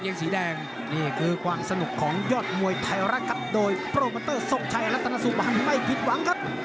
นี่คือความสนุกของยอดมวยไทยรากัดโดยโปรเมอร์เตอร์ศกชัยและตนสุบันไม่คิดหวังครับ